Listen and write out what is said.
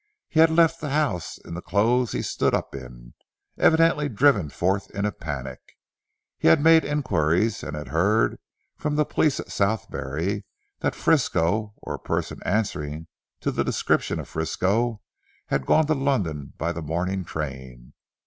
He had left the house in the clothes he stood up in, evidently driven forth in a panic. He had made inquiries, and had heard from the police at Southberry, that Frisco or a person answering to the description of Frisco had gone to London by the morning train.